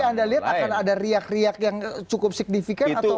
tapi anda lihat akan ada riak riak yang cukup signifikan atau